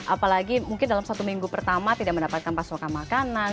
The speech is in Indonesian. apalagi mungkin dalam satu minggu pertama tidak mendapatkan pasokan makanan